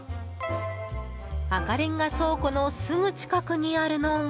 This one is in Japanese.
赤レンガ倉庫のすぐ近くにあるのが。